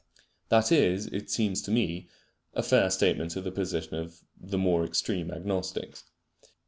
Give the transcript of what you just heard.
That is, as it seems to me, a fair statement of the position of some of the more extreme agnostics.